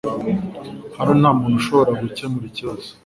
Hano nta muntu ushobora gukemura ikibazo